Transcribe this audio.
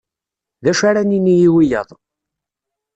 D acu ara nini i wiyaḍ